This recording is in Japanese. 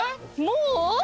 もう？